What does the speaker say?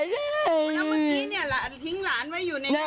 แล้วเมื่อกี้เนี่ยหลานทิ้งหลานไว้อยู่ในนั้น